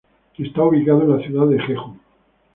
Está ubicado en la ciudad de Jeju.